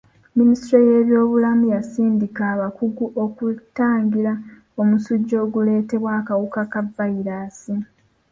Minisitule y'ebyobulamu yasindika abakugu okutangira omusujja oguleetebwa akawuka ka vayirasi.